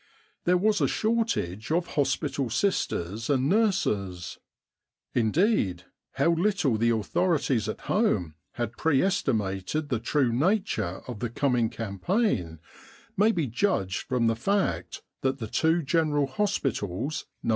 There was a shortage of hospital sisters and nurses. In 23 With the R.A.M.C. in Egypt deed, how little the authorities at home had pre estimated the true nature of the coming campaign may be judged from the fact that the two General Hospitals, Nos.